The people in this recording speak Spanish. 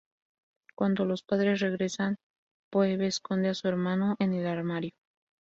Cuando los padres regresan, Phoebe esconde a su hermano en el armario.